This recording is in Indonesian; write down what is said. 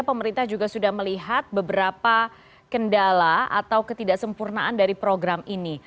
pemerintah juga sudah melihat beberapa kendala atau ketidaksempurnaan dari program ini